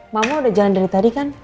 mama udah jalan dari tadi kan